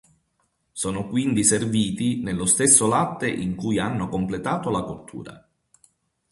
Sono quindi serviti nello stesso latte in cui hanno completato la cottura.